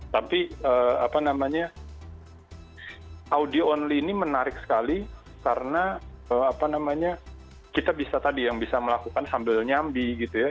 tapi apa namanya audio only ini menarik sekali karena apa namanya kita bisa tadi yang bisa melakukan sambil nyambi gitu ya